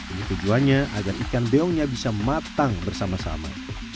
ini tujuannya agar ikan beongnya bisa matang bersama sama